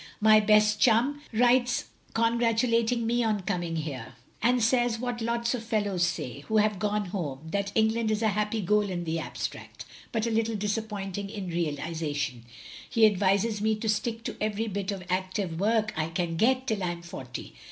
. My best chum writes congratulating me on coming here, and says what lots of fellows say, who have gone home, that England is a happy goal in the abstract, but a little disappointing in realisation; he advises me to stick to every bit of active work I can get till I'm forty.